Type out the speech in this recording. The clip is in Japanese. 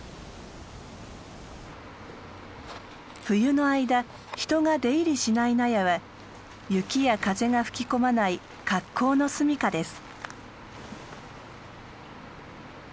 冬の間人が出入りしない納屋は雪や風が吹き込まない格好の住みかです。